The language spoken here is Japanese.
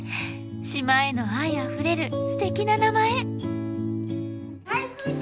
島への愛あふれるすてきな名前！